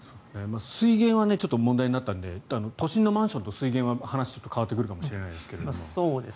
水源は問題になったので都心のマンションと水源は話が変わってくるかもしれませんが。